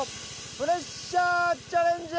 プレッシャーチャレンジ！